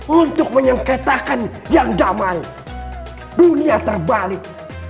untuk menyengketakan yang damai dunia terbalik